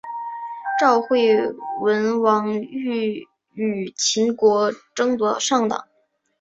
赵惠文王欲与秦国争夺上党。